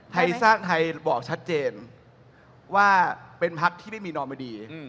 ไทยสร้างไทยบอกชัดเจนว่าเป็นพักที่ไม่มีนอมดี